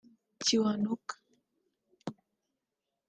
Kiwanuka